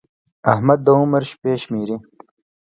احمد د عمر شپې شمېري.